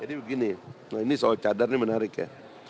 jadi begini nah ini soal cadar ini menarik ya